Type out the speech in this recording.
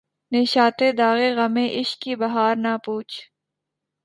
نشاطِ داغِ غمِ عشق کی بہار نہ پُوچھ